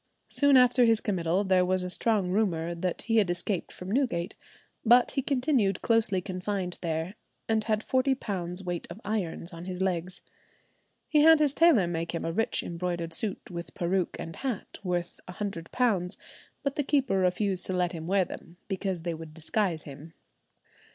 Soon after his committal there was a strong rumour that he had escaped from Newgate, but he continued closely confined there, and had forty pounds weight of irons on his legs. He had his tailor make him a rich embroidered suit with peruke and hat, worth £100; but the keeper refused to let him wear them, because they would disguise him.